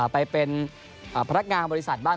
ไปเป็นพนักงานบริษัทบ้าง